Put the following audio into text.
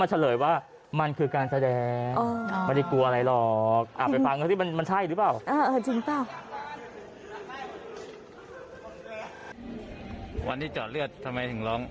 โอ้โฮเป็นการแสดง